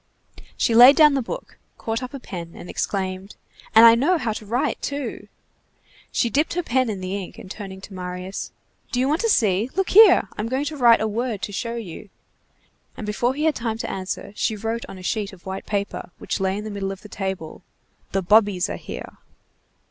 She laid down the book, caught up a pen, and exclaimed:— "And I know how to write, too!" She dipped her pen in the ink, and turning to Marius:— "Do you want to see? Look here, I'm going to write a word to show you." And before he had time to answer, she wrote on a sheet of white paper, which lay in the middle of the table: "The bobbies are here."